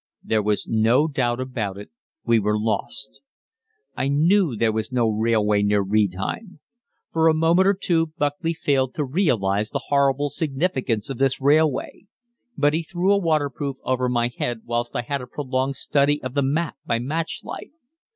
There was no doubt about it we were lost. I knew there was no railway near Riedheim. For a moment or two Buckley failed to realize the horrible significance of this railway, but he threw a waterproof over my head whilst I had a prolonged study of the map by match light.